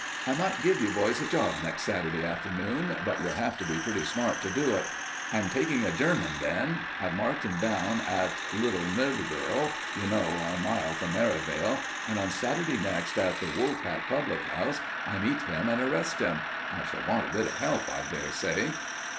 "I might give you boys a job next Saturday afternoon, but you'll have to be pretty smart to do it. I'm taking a German then. I've marked him down at Little Mudborough you know, a mile from Merivale and on Saturday next, at 'The Wool Pack' public house, I meet him and arrest him. I shall want a bit of help, I dare say."